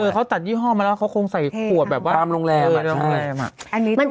เขาตัดยี่ห้อมาแล้วเขาคงใส่ขวดแบบว่าโรงแรม